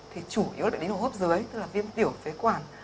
thì chủ yếu là bị đến hốp dưới tức là viêm tiểu phế quản